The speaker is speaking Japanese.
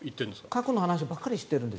過去の話ばっかりしている。